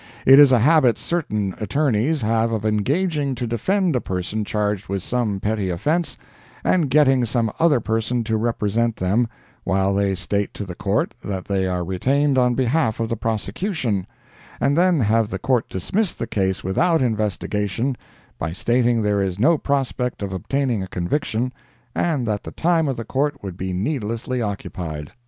It is a habit certain attorneys have of engaging to defend a person charged with some petty offense, and getting some other person to represent them, while they state to the Court that they are retained on behalf of the prosecution, and then have the Court dismiss the case without investigation, by stating there is no prospect of obtaining a conviction, and that the time of the Court would be needlessly occupied.